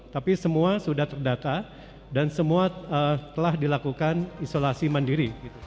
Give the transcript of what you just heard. tapi semua sudah terdata dan semua telah dilakukan isolasi mandiri